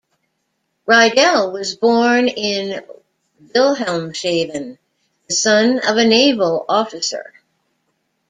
Riedel was born in Wilhelmshaven, the son of a naval officer.